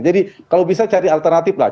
jadi kalau bisa cari alternatif lah